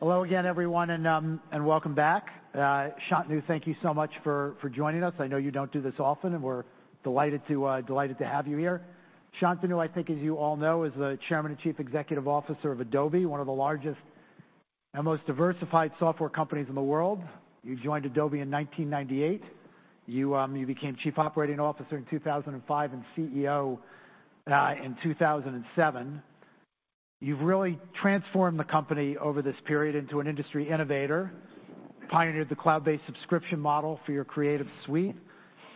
Hello again, everyone, and welcome back. Shantanu, thank you so much for joining us. I know you don't do this often, and we're delighted to have you here. Shantanu, I think, as you all know, is the Chairman and Chief Executive Officer of Adobe, one of the largest and most diversified software companies in the world. You joined Adobe in 1998. You became Chief Operating Officer in 2005 and CEO in 2007. You've really transformed the company over this period into an industry innovator, pioneered the cloud-based subscription model for your Creative Suite,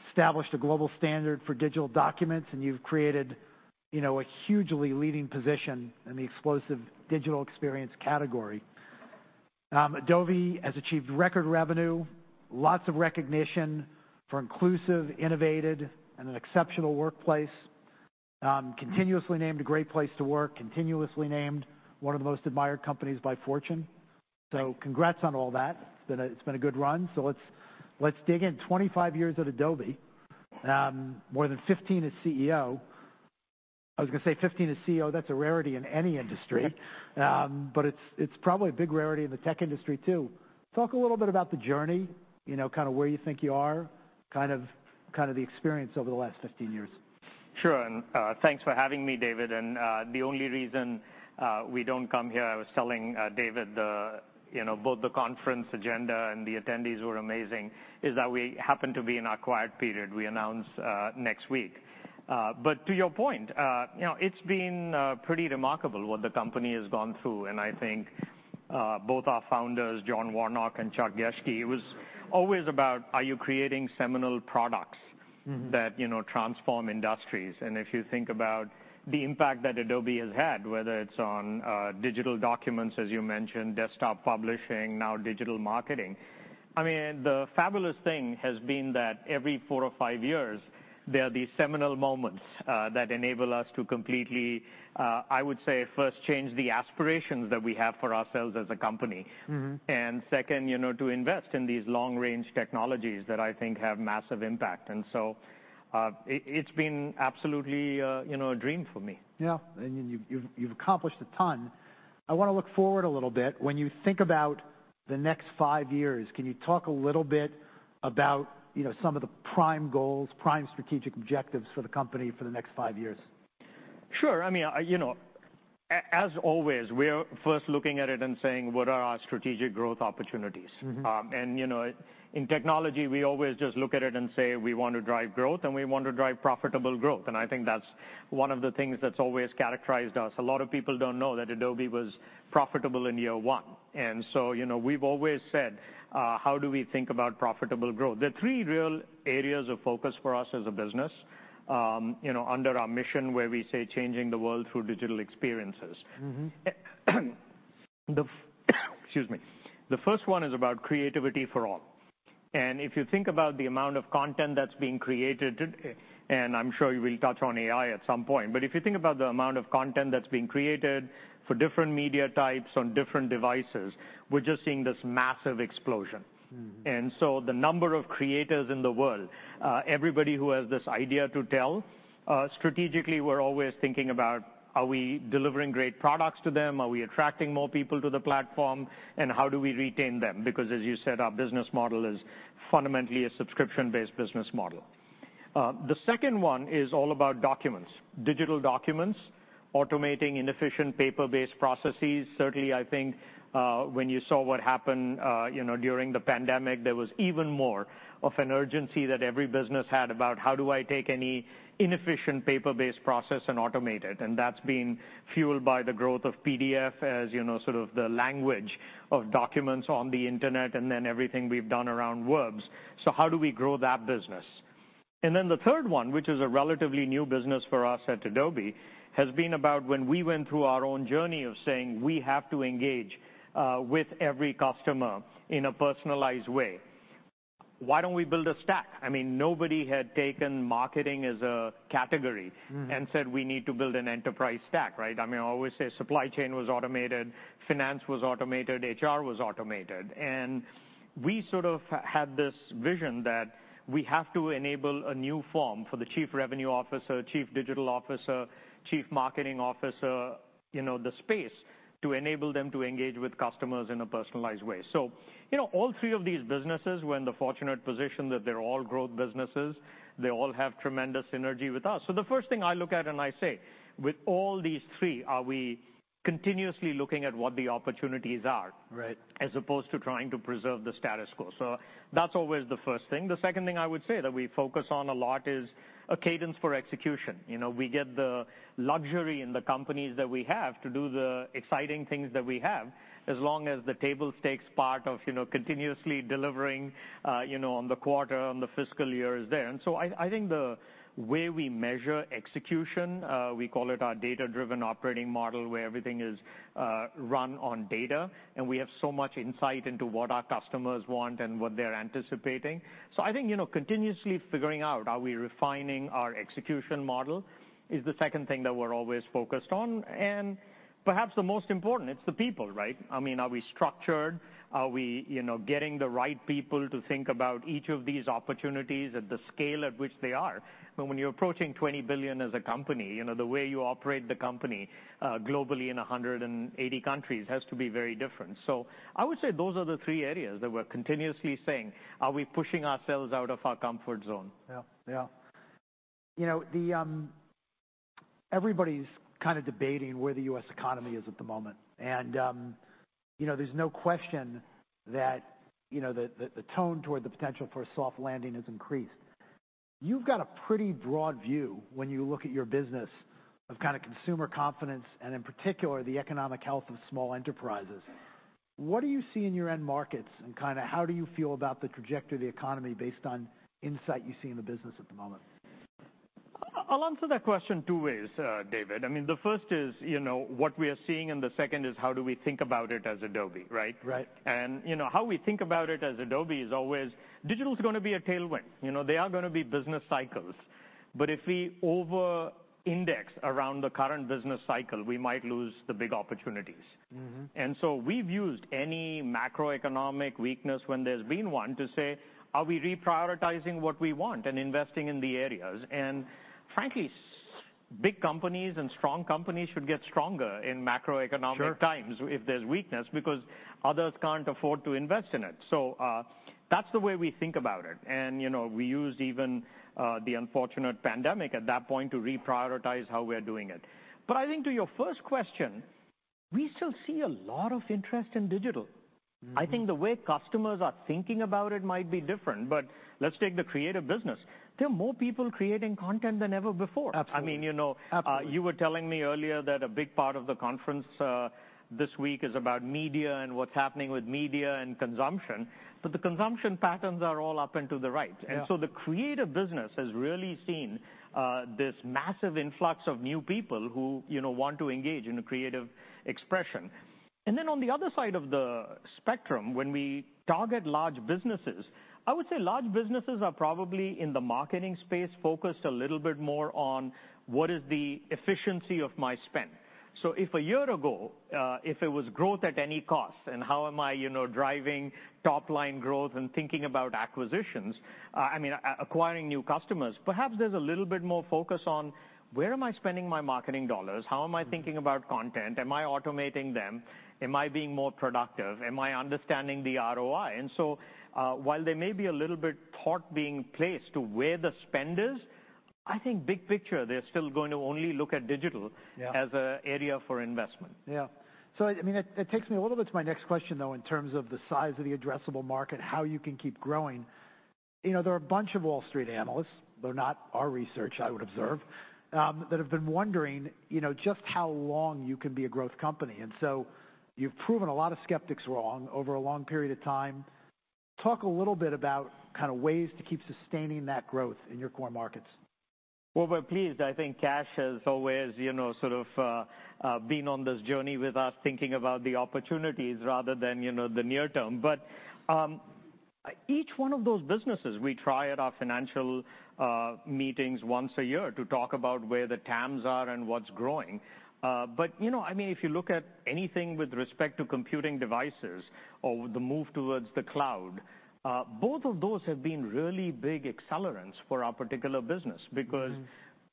established a global standard for digital documents, and you've created a hugely leading position in the explosive digital experience category. Adobe has achieved record revenue, lots of recognition for inclusive, innovative, and an exceptional workplace. Continuously named a Great Place to Work, continuously named one of the Most Admired Companies by Fortune. So congrats on all that. It's been a good run, so let's dig in. 25 years at Adobe, more than 15 as CEO. I was gonna say 15 as CEO, that's a rarity in any industry. Right. But it's, it's probably a big rarity in the tech industry, too. Talk a little bit about the journey kind of where you think you are, kind of, kind of the experience over the last 15 years. Sure, and, thanks for having me, David, and, the only reason we don't come here, I was telling David, the both the conference agenda and the attendees were amazing, is that we happen to be in our quiet period. We announce next week. But to your point it's been pretty remarkable what the company has gone through, and I think both our founders, John Warnock and Chuck Geschke, it was always about, are you creating seminal products- Mm-hmm. -that transform industries? And if you think about the impact that Adobe has had, whether it's on, digital documents, as you mentioned, desktop publishing, now digital marketing, I mean, the fabulous thing has been that every four or five years there are these seminal moments, that enable us to completely, I would say, first change the aspirations that we have for ourselves as a company. Mm-hmm. second to invest in these long-range technologies that I think have massive impact, and so, it's been absolutely a dream for me. Yeah, and you've accomplished a ton. I wanna look forward a little bit. When you think about the next five years, can you talk a little bit about some of the prime goals, prime strategic objectives for the company for the next five years? Sure. I mean as always, we're first looking at it and saying: What are our strategic growth opportunities? Mm-hmm. and in technology, we always just look at it and say: We want to drive growth, and we want to drive profitable growth, and I think that's one of the things that's always characterized us. A lot of people don't know that Adobe was profitable in year one, and so we've always said, how do we think about profitable growth? The three real areas of focus for us as a business under our mission, where we say, "Changing the world through digital experiences- Mm-hmm. Excuse me. The first one is about creativity for all, and if you think about the amount of content that's being created, and I'm sure we will touch on AI at some point, but if you think about the amount of content that's being created for different media types on different devices, we're just seeing this massive explosion. Mm-hmm. And so the number of creators in the world, everybody who has this idea to tell, strategically, we're always thinking about, are we delivering great products to them? Are we attracting more people to the platform? And how do we retain them? Because, as you said, our business model is fundamentally a subscription-based business model. The second one is all about documents, digital documents, automating inefficient paper-based processes. Certainly, I think, when you saw what happened during the pandemic, there was even more of an urgency that every business had about, how do I take any inefficient paper-based process and automate it? And that's been fueled by the growth of PDF, as sort of the language of documents on the internet, and then everything we've done around webs. So how do we grow that business? And then the third one, which is a relatively new business for us at Adobe, has been about when we went through our own journey of saying: We have to engage with every customer in a personalized way. Why don't we build a stack? I mean, nobody had taken marketing as a category- Mm. and said, "We need to build an enterprise stack," right? I mean, I always say supply chain was automated, finance was automated, HR was automated, and we sort of had this vision that we have to enable a new form for the Chief Revenue Officer, Chief Digital Officer, Chief Marketing officer the space to enable them to engage with customers in a personalized way. so all three of these businesses were in the fortunate position that they're all growth businesses. They all have tremendous synergy with us. So the first thing I look at and I say, "With all these three, are we continuously looking at what the opportunities are? Right. As opposed to trying to preserve the status quo, so that's always the first thing. The second thing I would say that we focus on a lot is a cadence for execution., we get the luxury in the companies that we have to do the exciting things that we have, as long as the table stakes part of continuously delivering on the quarter, on the fiscal year is there. And so I, I think the way we measure execution, we call it our data-driven operating model, where everything is, run on data, and we have so much insight into what our customers want and what they're anticipating. So I think continuously figuring out, are we refining our execution model? is the second thing that we're always focused on. And perhaps the most important, it's the people, right? I mean, are we structured? Are we getting the right people to think about each of these opportunities at the scale at which they are? But when you're approaching $20 billion as a company the way you operate the company globally in 180 countries has to be very different. So I would say those are the three areas that we're continuously saying: Are we pushing ourselves out of our comfort zone? Yeah. Yeah., everybody's kind of debating where the U.S. economy is at the moment, and there's no question that the tone toward the potential for a soft landing has increased. You've got a pretty broad view when you look at your business of kind of consumer confidence, and in particular, the economic health of small enterprises. What do you see in your end markets, and kind of how do you feel about the trajectory of the economy based on insight you see in the business at the moment? I'll answer that question two ways, David. I mean, the first is what we are seeing, and the second is how do we think about it as Adobe. Right? Right., how we think about it as Adobe is always, digital's gonna be a tailwind., there are gonna be business cycles, but if we overindex around the current business cycle, we might lose the big opportunities. Mm-hmm. And so we've used any macroeconomic weakness when there's been one, to say, "Are we reprioritizing what we want and investing in the areas?" And frankly, big companies and strong companies should get stronger in macroeconomic times. Sure -if there's weakness, because others can't afford to invest in it. So, that's the way we think about it, and we used even, the unfortunate pandemic at that point to reprioritize how we're doing it. But I think to your first question, we still see a lot of interest in digital. Mm. I think the way customers are thinking about it might be different, but let's take the creative business. There are more people creating content than ever before. Absolutely. I mean, - Absolutely... you were telling me earlier that a big part of the conference, this week is about media and what's happening with media and consumption, but the consumption patterns are all up and to the right. Yeah. And so the creative business has really seen this massive influx of new people who want to engage in a creative expression. And then on the other side of the spectrum, when we target large businesses, I would say large businesses are probably, in the marketing space, focused a little bit more on what is the efficiency of my spend. So if a year ago if it was growth at any cost, and how am i driving top-line growth and thinking about acquisitions, I mean, acquiring new customers, perhaps there's a little bit more focus on: Where am I spending my marketing dollars? Mm. How am I thinking about content? Am I automating them? Am I being more productive? Am I understanding the ROI? And so, while there may be a little bit thought being placed to where the spend is, I think big picture, they're still going to only look at digital- Yeah as an area for investment. Yeah. So, I mean, that takes me a little bit to my next question, though, in terms of the size of the addressable market, how you can keep growing., there are a bunch of Wall Street analysts, though not our research, I would observe, that have been wondering just how long you can be a growth company. And so you've proven a lot of skeptics wrong over a long period of time. Talk a little bit about kind of ways to keep sustaining that growth in your core markets. Well, we're pleased. I think Kash has always sort of, been on this journey with us, thinking about the opportunities rather than the near term. But each one of those businesses, we try at our financial meetings once a year to talk about where the TAMs are and what's growing. but I mean, if you look at anything with respect to computing devices or the move towards the cloud, both of those have been really big accelerants for our particular business- Mm-hmm... because,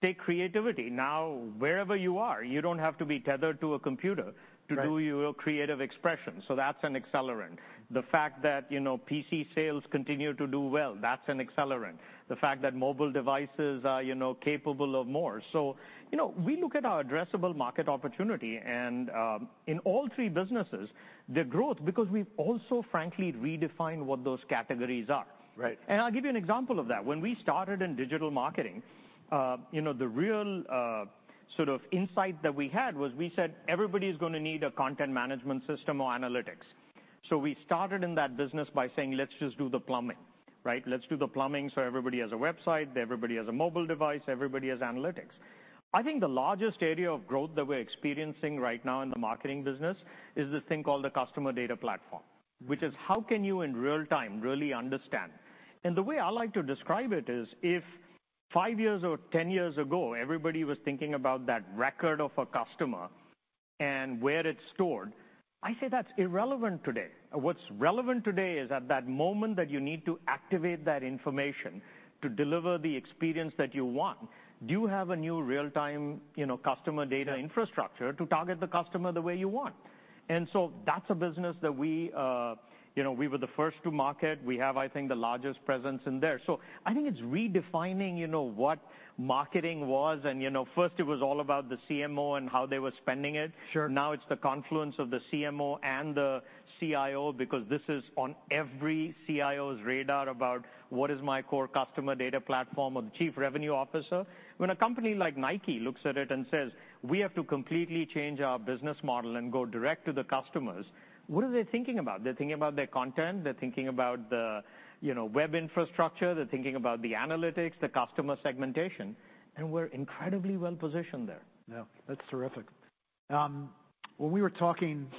take creativity. Now, wherever you are, you don't have to be tethered to a computer- Right -to do your creative expression, so that's an accelerant. The fact that PC sales continue to do well, that's an accelerant. The fact that mobile devices are capable of more. so we look at our addressable market opportunity and, in all three businesses, the growth, because we've also, frankly, redefined what those categories are. Right. I'll give you an example of that. When we started in digital marketing the real sort of insight that we had was, we said everybody's gonna need a content management system or analytics. So we started in that business by saying, "Let's just do the plumbing," right? Let's do the plumbing so everybody has a website, everybody has a mobile device, everybody has analytics. I think the largest area of growth that we're experiencing right now in the marketing business is this thing called the Customer Data Platform, which is, how can you, in real time, really understand? And the way I like to describe it is, if five years or 10 years ago, everybody was thinking about that record of a customer and where it's stored, I say that's irrelevant today. What's relevant today is at that moment that you need to activate that information to deliver the experience that you want, do you have a new real-time customer data infrastructure to target the customer the way you want? And so that's a business that we we were the first to market. We have, I think, the largest presence in there. So I think it's redefining what marketing was, and first it was all about the CMO and how they were spending it. Sure. Now it's the confluence of the CMO and the CIO, because this is on every CIO's radar about what is my core customer data platform, or the chief revenue officer. When a company like Nike looks at it and says, "We have to completely change our business model and go direct to the customers," what are they thinking about? They're thinking about their content. They're thinking about the web infrastructure. They're thinking about the analytics, the customer segmentation, and we're incredibly well positioned there. Yeah, that's terrific. When we were talking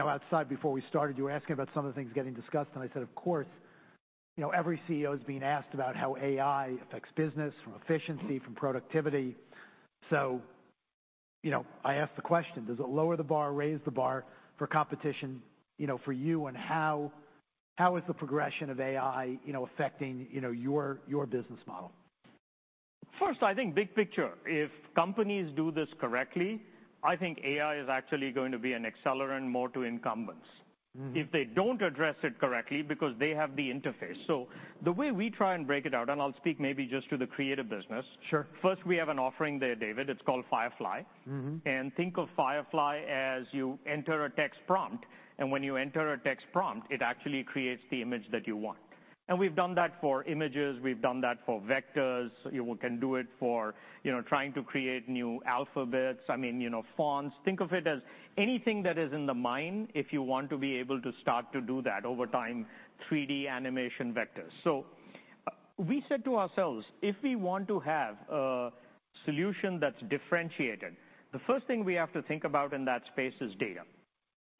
outside before we started, you were asking about some of the things getting discussed, and I said, "Of course every CEO is being asked about how AI affects business, from efficiency, from productivity." so I ask the question: Does it lower the bar or raise the bar for competition for you? And how is the progression of ai affecting your business model?... First, I think big picture, if companies do this correctly, I think AI is actually going to be an accelerant more to incumbents. Mm-hmm. If they don't address it correctly, because they have the interface. So the way we try and break it out, and I'll speak maybe just to the creative business- Sure. First, we have an offering there, David, it's called Firefly. Mm-hmm. Think of Firefly as you enter a text prompt, and when you enter a text prompt, it actually creates the image that you want. We've done that for images, we've done that for vectors. You can do it for trying to create new alphabets, I mean fonts. Think of it as anything that is in the mind, if you want to be able to start to do that over time, 3D animation vectors. So, we said to ourselves, "If we want to have a solution that's differentiated, the first thing we have to think about in that space is data,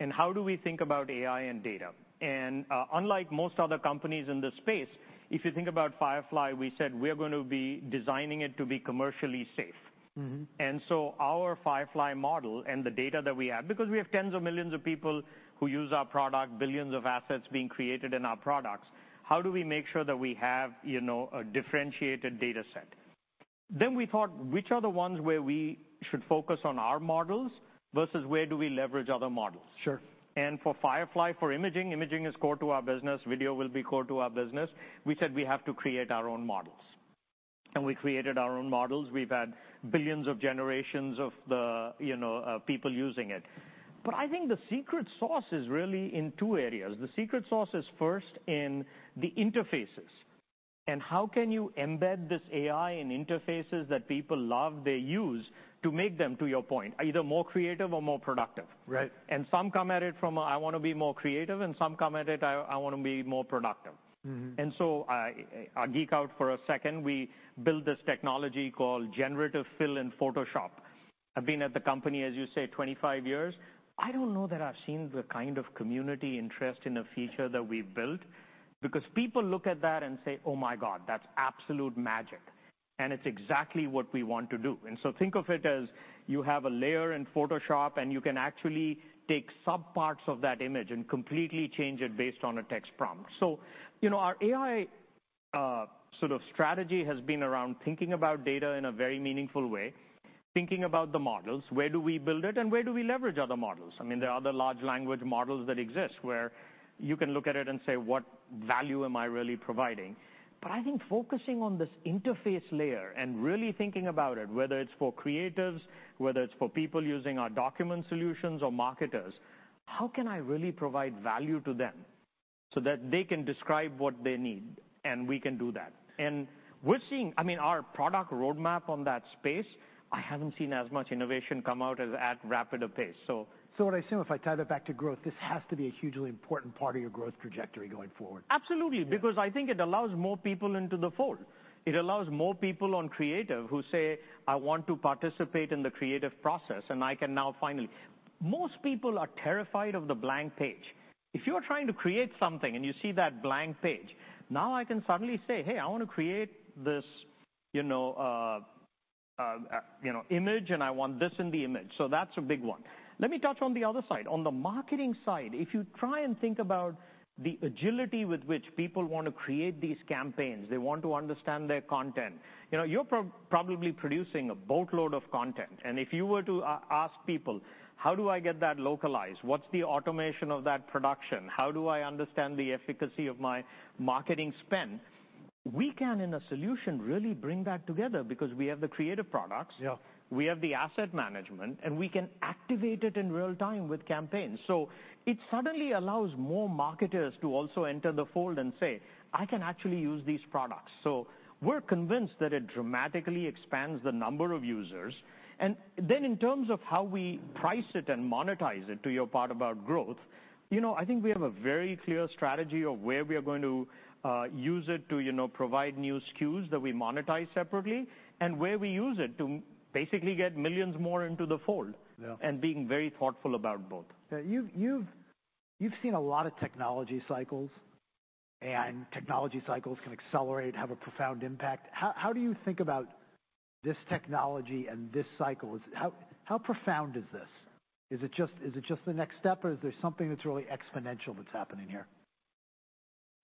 and how do we think about AI and data?" And, unlike most other companies in this space, if you think about Firefly, we said we're going to be designing it to be commercially safe. Mm-hmm. And so our Firefly model and the data that we have, because we have tens of millions of people who use our product, billions of assets being created in our products, how do we make sure that we have a differentiated data set? Then we thought, which are the ones where we should focus on our models versus where do we leverage other models? Sure. For Firefly, for imaging, imaging is core to our business, video will be core to our business. We said we have to create our own models, and we created our own models. We've had billions of generations of the people using it. But I think the secret sauce is really in two areas. The secret sauce is first in the interfaces, and how can you embed this AI in interfaces that people love, they use, to make them, to your point, either more creative or more productive? Right. Some come at it from a, "I want to be more creative," and some come at it, "I, I want to be more productive. Mm-hmm. And so I, I'll geek out for a second. We built this technology called Generative Fill in Photoshop. I've been at the company, as you say, 25 years. I don't know that I've seen the kind of community interest in a feature that we've built. Because people look at that and say, "Oh, my God, that's absolute magic, and it's exactly what we want to do." And so think of it as you have a layer in Photoshop, and you can actually take subparts of that image and completely change it based on a text prompt. so our AI, sort of strategy has been around thinking about data in a very meaningful way, thinking about the models, where do we build it, and where do we leverage other models? I mean, there are other large language models that exist, where you can look at it and say, "What value am I really providing?" But I think focusing on this interface layer and really thinking about it, whether it's for creatives, whether it's for people using our document solutions or marketers, how can I really provide value to them so that they can describe what they need? And we can do that. And we're seeing—I mean, our product roadmap on that space, I haven't seen as much innovation come out as at rapid a pace, so- What I assume, if I tie that back to growth, this has to be a hugely important part of your growth trajectory going forward. Absolutely! Yeah. Because I think it allows more people into the fold. It allows more people on creative who say, "I want to participate in the creative process, and I can now finally..." Most people are terrified of the blank page. If you are trying to create something and you see that blank page, now I can suddenly say, "Hey, I want to create image, and I want this in the image." So that's a big one. Let me touch on the other side. On the marketing side, if you try and think about the agility with which people want to create these campaigns, they want to understand their content you're probably producing a boatload of content. And if you were to ask people, "How do I get that localized? What's the automation of that production? How do I understand the efficacy of my marketing spend?" We can, in a solution, really bring that together because we have the creative products- Yeah... we have the asset management, and we can activate it in real time with campaigns. So it suddenly allows more marketers to also enter the fold and say, "I can actually use these products." So we're convinced that it dramatically expands the number of users. And then, in terms of how we price it and monetize it, to your part about growth I think we have a very clear strategy of where we are going to use it to provide new SKUs that we monetize separately, and where we use it to basically get millions more into the fold- Yeah... and being very thoughtful about both. Yeah, you've seen a lot of technology cycles, and technology cycles can accelerate, have a profound impact. How do you think about this technology and this cycle? How profound is this? Is it just the next step, or is there something that's really exponential that's happening here?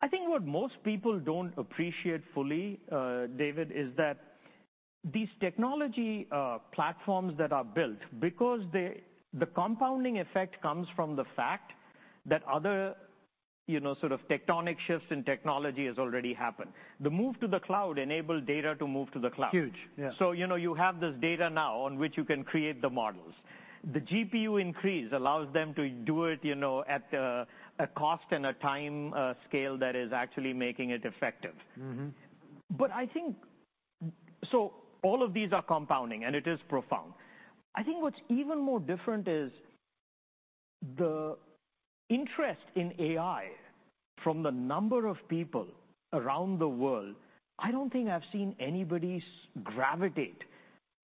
I think what most people don't appreciate fully, David, is that these technology platforms that are built, because they... The compounding effect comes from the fact that other sort of tectonic shifts in technology has already happened. The move to the cloud enabled data to move to the cloud. Huge, yeah., you have this data now on which you can create the models. The GPU increase allows them to do it at a cost and a time scale that is actually making it effective. Mm-hmm. So all of these are compounding, and it is profound. I think what's even more different is the interest in AI from the number of people around the world. I don't think I've seen anybody gravitate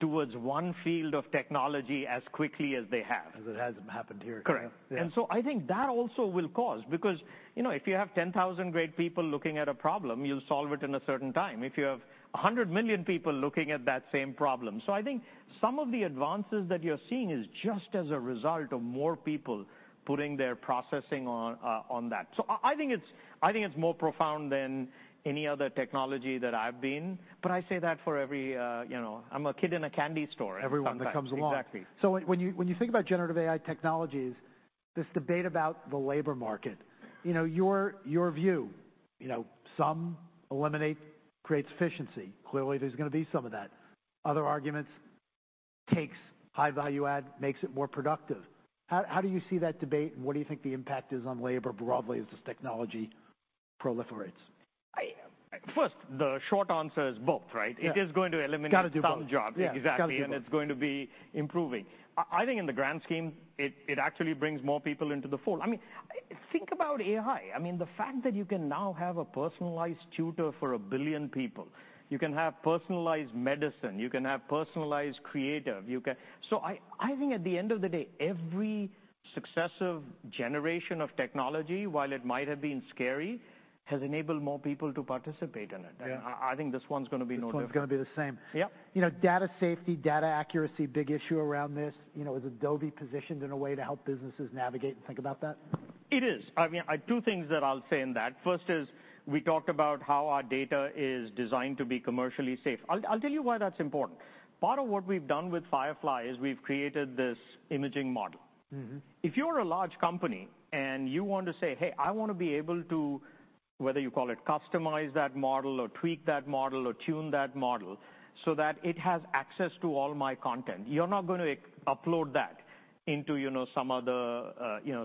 towards one field of technology as quickly as they have. As it has happened here. Correct. Yeah. So I think that also will cause because if you have 10,000 great people looking at a problem, you'll solve it in a certain time. If you have 100 million people looking at that same problem... So I think some of the advances that you're seeing is just as a result of more people putting their processing on that. So I think it's more profound than any other technology that I've been. But I say that for every,... I'm a kid in a candy store- Everyone that comes along. Exactly. So when you think about generative AI technologies, this debate about the labor market., your view some eliminate, creates efficiency. Clearly, there's gonna be some of that. Other arguments, takes high value add, makes it more productive. How do you see that debate, and what do you think the impact is on labor broadly as this technology proliferates? First, the short answer is both, right? Yeah. It is going to eliminate- It's gotta do both. Some jobs. Yeah. Exactly. It's gotta do both. It's going to be improving. I think in the grand scheme, it actually brings more people into the fold. I mean, think about AI. I mean, the fact that you can now have a personalized tutor for a billion people, you can have personalized medicine, you can have personalized creative, you can-- So I think at the end of the day, every successive generation of technology, while it might have been scary, has enabled more people to participate in it. Yeah. I, I think this one's gonna be no different. This one's gonna be the same. Yep., data safety, data accuracy, big issue around this., is Adobe positioned in a way to help businesses navigate and think about that? It is. I mean, two things that I'll say in that. First is, we talked about how our data is designed to be commercially safe. I'll tell you why that's important. Part of what we've done with Firefly is we've created this imaging model. Mm-hmm. If you're a large company and you want to say, "Hey, I wanna be able to," whether you call it, customize that model or tweak that model or tune that model so that it has access to all my content, you're not going to upload that into some other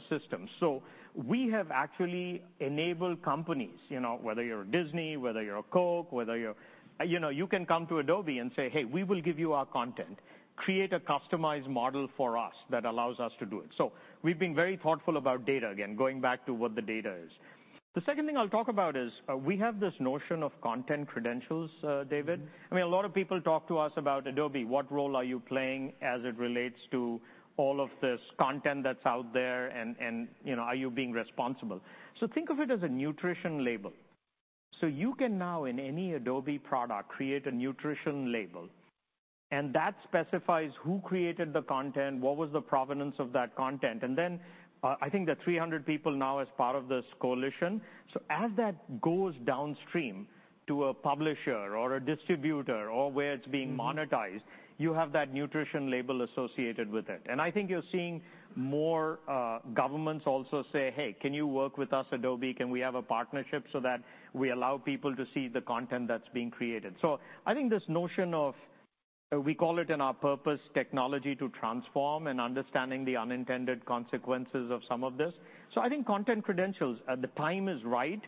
system. So we have actually enabled companies whether you're Disney, whether you're Coke, whether you're..., you can come to Adobe and say, "Hey, we will give you our content. Create a customized model for us that allows us to do it." So we've been very thoughtful about data, again, going back to what the data is. The second thing I'll talk about is, we have this notion of Content Credentials, David. Mm-hmm. I mean, a lot of people talk to us about Adobe. What role are you playing as it relates to all of this content that's out there, and are you being responsible? So think of it as a nutrition label. So you can now, in any Adobe product, create a nutrition label, and that specifies who created the content, what was the provenance of that content, and then, I think there are 300 people now as part of this coalition. So as that goes downstream to a publisher or a distributor or where it's being- Mm-hmm... monetized, you have that nutrition label associated with it. And I think you're seeing more, governments also say, "Hey, can you work with us, Adobe? Can we have a partnership so that we allow people to see the content that's being created?" So I think this notion of, we call it in our purpose, technology to transform, and understanding the unintended consequences of some of this. So I think Content Credentials, the time is right,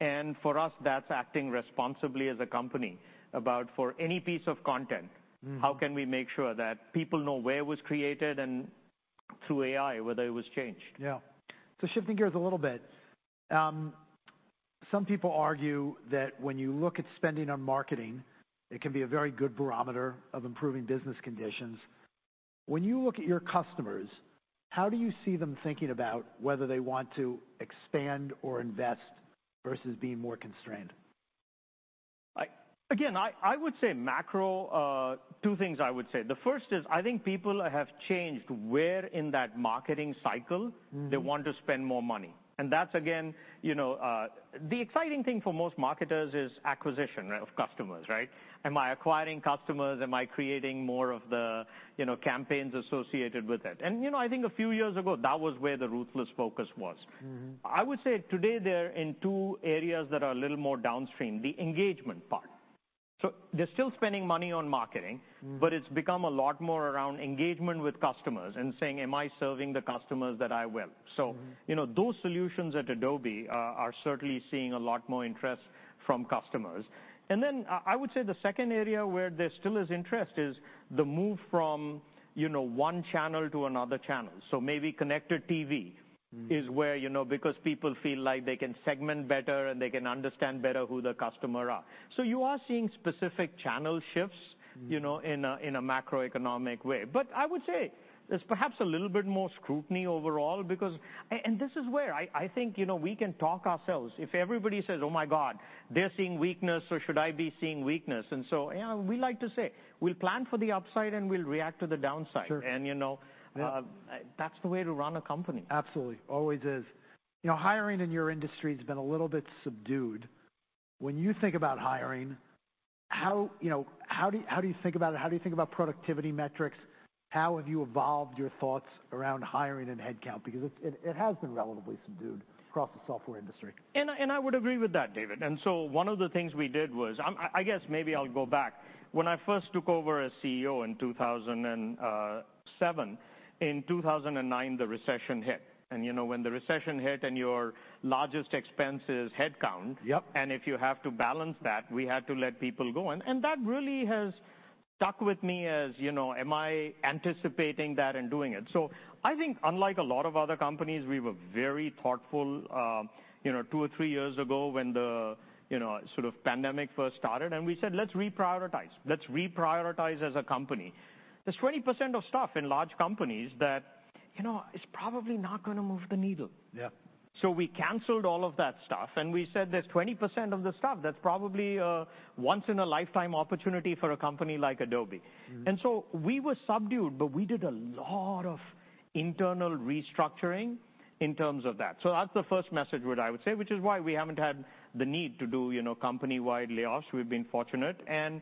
and for us, that's acting responsibly as a company about for any piece of content- Mm-hmm... how can we make sure that people know where it was created, and through AI, whether it was changed? Yeah. So shifting gears a little bit, some people argue that when you look at spending on marketing, it can be a very good barometer of improving business conditions. When you look at your customers, how do you see them thinking about whether they want to expand or invest versus being more constrained? Again, I would say macro, two things I would say. The first is, I think people have changed where in that marketing cycle- Mm-hmm... they want to spend more money, and that's, again the exciting thing for most marketers is acquisition, right, of customers, right? Am I acquiring customers? Am I creating more of the campaigns associated with it? and I think a few years ago, that was where the ruthless focus was. Mm-hmm. I would say today they're in two areas that are a little more downstream, the engagement part. So they're still spending money on marketing- Mm... but it's become a lot more around engagement with customers and saying, "Am I serving the customers that I will? Mm-hmm. so those solutions at Adobe are certainly seeing a lot more interest from customers. And then I would say the second area where there still is interest is the move from one channel to another channel. So maybe Connected TV Mm... is where because people feel like they can segment better, and they can understand better who the customer are. So you are seeing specific channel shifts- Mm..., in a, in a macroeconomic way. But I would say there's perhaps a little bit more scrutiny overall because, and this is where I, I think we can talk ourselves. If everybody says, "Oh my God, they're seeing weakness, so should I be seeing weakness?" And so, yeah, we like to say, we'll plan for the upside, and we'll react to the downside. Sure. - Yeah... that's the way to run a company. Absolutely. Always is., hiring in your industry has been a little bit subdued. When you think about hiring how do you think about it? How do you think about productivity metrics? How have you evolved your thoughts around hiring and headcount? Because it has been relatively subdued across the software industry. And I would agree with that, David, and so one of the things we did was... I guess maybe I'll go back. When I first took over as CEO in 2007, in 2009, the recession hit, and when the recession hit and your largest expense is headcount- Yep... and if you have to balance that, we had to let people go. And that really has stuck with me as am I anticipating that and doing it? So I think, unlike a lot of other companies, we were very thoughtful two or three years ago when the sort of pandemic first started, and we said, "Let's reprioritize. Let's reprioritize as a company." There's 20% of staff in large companies that is probably not gonna move the needle. Yeah. So we canceled all of that stuff, and we said, "There's 20% of the staff that's probably a once-in-a-lifetime opportunity for a company like Adobe. Mm-hmm. We were subdued, but we did a lot of internal restructuring in terms of that. That's the first message what I would say, which is why we haven't had the need to do company-wide layoffs. We've been fortunate, and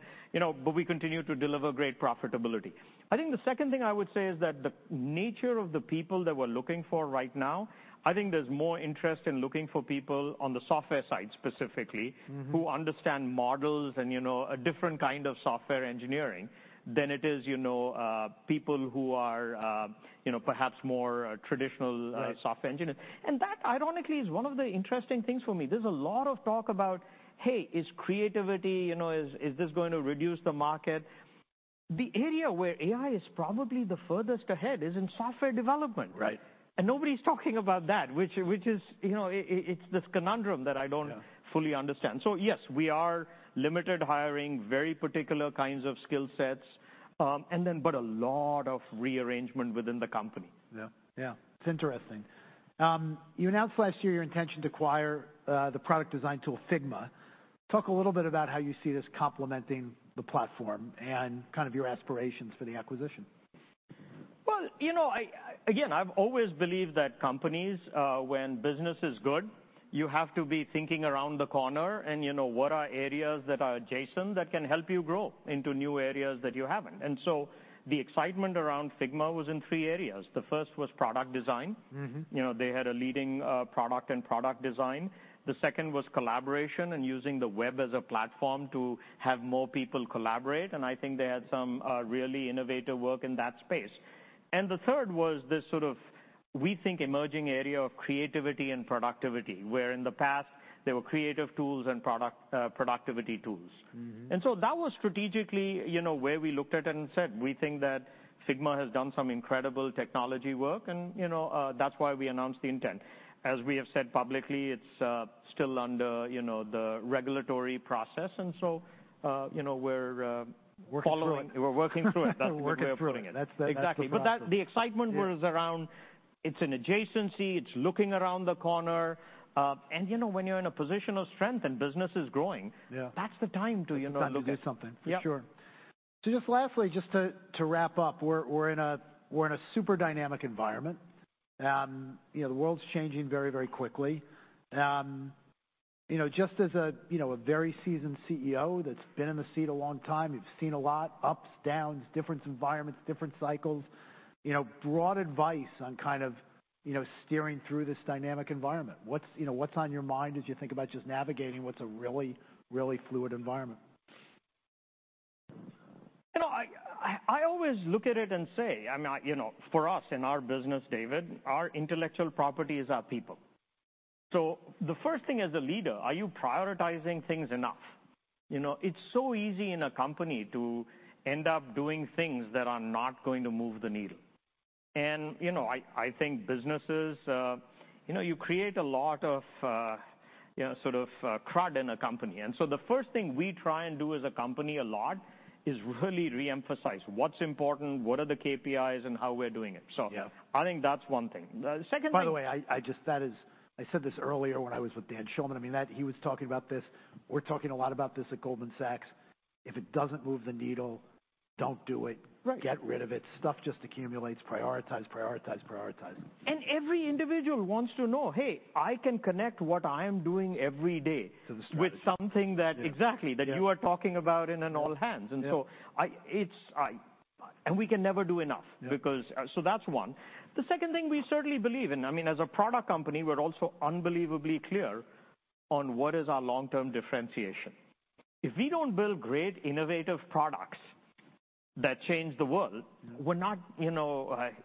but we continue to deliver great profitability. I think the second thing I would say is that the nature of the people that we're looking for right now, I think there's more interest in looking for people on the software side specifically- Mm-hmm. who understand models and a different kind of software engineering than it is people who are perhaps more traditional- Right Software engineers. And that, ironically, is one of the interesting things for me. There's a lot of talk about, "Hey, is creativity is this going to reduce the market?" The area where AI is probably the furthest ahead is in software development. Right. Nobody's talking about that, which is it's this conundrum that I don't- Yeah Fully understand. So yes, we are limited hiring, very particular kinds of skill sets, and then but a lot of rearrangement within the company. Yeah. Yeah, it's interesting. You announced last year your intention to acquire the product design tool, Figma. Talk a little bit about how you see this complementing the platform and kind of your aspirations for the acquisition. well I, again, I've always believed that companies, when business is good, you have to be thinking around the corner, and what are areas that are adjacent that can help you grow into new areas that you haven't? And so the excitement around Figma was in three areas. The first was product design. Mm-hmm., they had a leading product and product design. The second was collaboration and using the web as a platform to have more people collaborate, and I think they had some really innovative work in that space. And the third was this sort of, we think, emerging area of creativity and productivity, where in the past, there were creative tools and productivity tools. Mm-hmm. And so that was strategically where we looked at it and said, "We think that Figma has done some incredible technology work," and that's why we announced the intent. As we have said publicly, it's still under the regulatory process, and so we're Working through it.... following, we're working through it. That's the way of putting it. That's the process. Exactly. But that, the excitement- Yeah was around, it's an adjacency, it's looking around the corner., when you're in a position of strength and business is growing- Yeah that's the time to look at Time to do something. Yep. For sure. So just lastly, just to wrap up, we're in a super dynamic environment., the world's changing very, very quickly. , just as a very seasoned CEO that's been in the seat a long time, you've seen a lot, ups, downs, different environments, different cycles., broad advice on kind of steering through this dynamic environment. What's on your mind as you think about just navigating what's a really, really fluid environment?, I always look at it and say, I mean..., for us, in our business, David, our intellectual property is our people. So the first thing, as a leader, are you prioritizing things enough?, it's so easy in a company to end up doing things that are not going to move the needle, and I think businesses you create a lot of sort of, crud in a company. And so the first thing we try and do as a company a lot is really re-emphasize what's important, what are the KPIs, and how we're doing it. So- Yeah... I think that's one thing. Secondly- By the way, I just—that is, I said this earlier when I was with Dan Schulman. I mean, that, he was talking about this. We're talking a lot about this at Goldman Sachs: if it doesn't move the needle, don't do it. Right. Get rid of it. Stuff just accumulates. Prioritize, prioritize, prioritize. Every individual wants to know, "Hey, I can connect what I am doing every day- To the strategy. -with something that... Yeah. Exactly. Yeah. That you are talking about in an all hands. Yeah. And so, we can never do enough. Yeah. Because... So that's one. The second thing we certainly believe in, I mean, as a product company, we're also unbelievably clear on what is our long-term differentiation. If we don't build great, innovative products that change the world- Mm We're not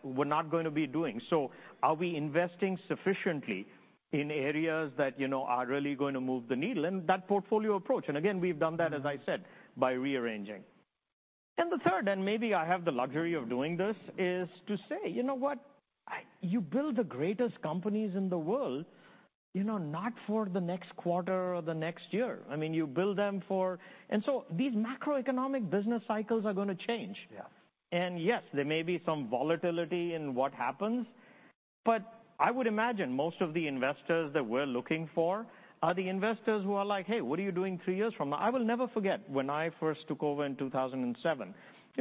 we're not going to be doing. So are we investing sufficiently in areas that are really going to move the needle? And that portfolio approach, and again, we've done that, as I said, by rearranging. And the third, and maybe I have the luxury of doing this, is to say, what? I, you build the greatest companies in the world not for the next quarter or the next year. I mean, you build them for... And so these macroeconomic business cycles are gonna change. Yeah. And yes, there may be some volatility in what happens, but I would imagine most of the investors that we're looking for are the investors who are like, "Hey, what are you doing three years from now?" I will never forget when I first took over in 2007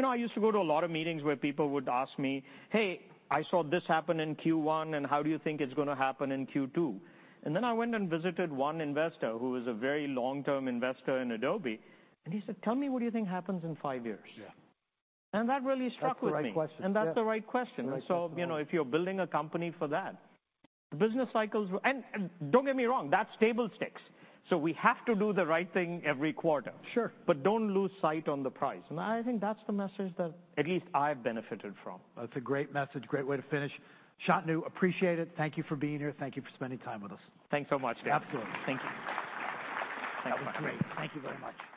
I used to go to a lot of meetings where people would ask me, "Hey, I saw this happen in Q1, and how do you think it's gonna happen in Q2?" And then I went and visited one investor, who was a very long-term investor in Adobe, and he said, "Tell me what you think happens in five years. Yeah. That really stuck with me. That's the right question. That's the right question. The right question., if you're building a company for that business cycles. And don't get me wrong, that's table stakes, so we have to do the right thing every quarter. Sure. But don't lose sight on the prize, and I think that's the message that at least I've benefited from. That's a great message. Great way to finish. Shantanu, appreciate it. Thank you for being here. Thank you for spending time with us. Thanks so much, David. Absolutely. Thank you. Thanks so much. That was great. Thank you very much. Thank you.